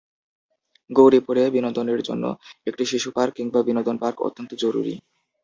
গৌরীপুরে বিনোদনের জন্য একটি শিশুপার্ক কিংবা বিনোদন পার্ক অত্যন্ত জরুরি।